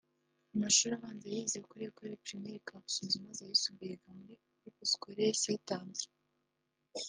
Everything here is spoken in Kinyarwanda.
Amashuri abanza yayize kuri Ecole Primaire Kabusunzu maze ayisumbuye ayiga muri Groupe Scolaire St Andre